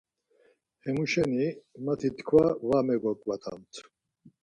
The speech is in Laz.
Hemuşenimati tkva var megoǩvatamt.